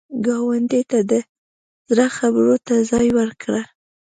ګاونډي ته د زړه خبرو ته ځای ورکړه